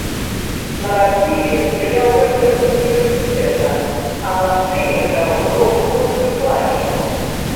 На разліве стаяў рэктар універсітэта, а на сцэне граў рок-гурт выкладчыкаў.